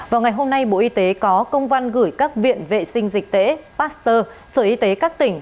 vào ngày hôm nay bộ y tế có công văn gửi các viện vệ sinh dịch tễ pasteur sở y tế các tỉnh